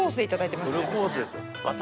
フルコースですよ。